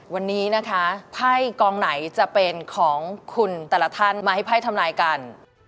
วันนี้นะคะไพ่กองไหนจะเป็นของคุณแต่ละท่านมาให้ไพ่ทำนายกัน